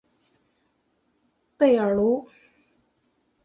贝尔卢。